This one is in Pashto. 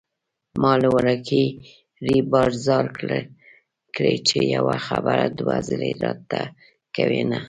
ما له وړوکي ريبار ځار کړې چې يوه خبره دوه ځلې راته کوينه